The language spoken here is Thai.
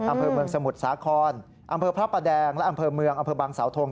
อำเภอเมืองสมุทรสาครอำเภอพระประแดงและอำเภอเมืองอำเภอบางสาวทง